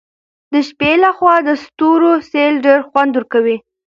د شپې له خوا د ستورو سیل ډېر خوند ورکوي.